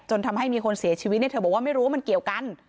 ทำให้มีคนเสียชีวิตเนี่ยเธอบอกว่าไม่รู้ว่ามันเกี่ยวกัน